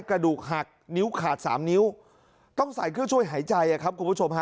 กระดูกหักนิ้วขาดสามนิ้วต้องใส่เครื่องช่วยหายใจครับคุณผู้ชมฮะ